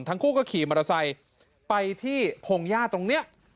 ทั้งคู่ก็ขี่มอเตอร์ไซค์ไปที่พงหญ้าตรงนี้